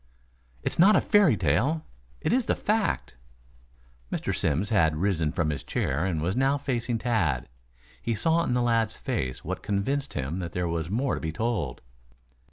"It's not a fairy tale it is the fact." Mr. Simms had risen from his chair and was now facing Tad. He saw in the lad's face what convinced him that there was more to be told.